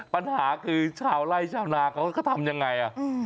ปัญหาคือชาวไล่ชาวนาเขาก็ทำยังไง